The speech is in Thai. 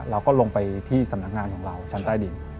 เราก็ลงไปที่สำนักงานของเราชั้นใต้ดิน